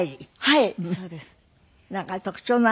はい。